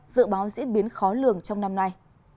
dự báo diễn biến khó lường trong năm nay